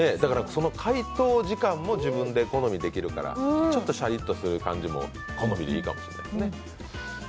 解凍時間も自分の好みでできるからちょっとシャリっとする感じも好みでいいかもしれないですね。